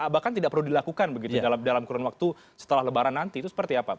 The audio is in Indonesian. bahkan tidak perlu dilakukan begitu dalam kurun waktu setelah lebaran nanti itu seperti apa